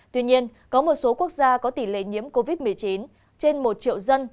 tuy nhiên có một số quốc gia có tỷ lệ nhiễm covid một mươi chín trên một triệu dân